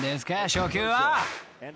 初球は］